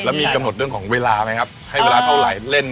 แล้วมีกำหนดเรื่องของเวลาไหมครับให้เวลาเท่าไหร่เล่น